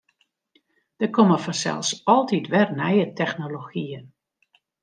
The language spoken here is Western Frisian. Der komme fansels altyd wer nije technologyen.